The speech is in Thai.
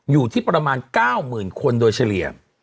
อยู่ที่ประมาณ๙๐๐๐คนโดยเฉลี่ย